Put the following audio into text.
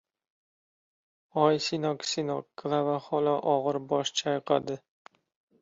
— Oy sinok, sinok! — Klava xola og‘ir bosh chayqadi.